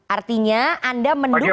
artinya anda mendukung